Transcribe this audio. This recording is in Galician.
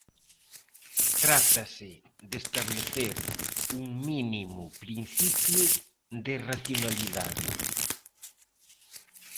Trátase de establecer un mínimo principio de racionalidade.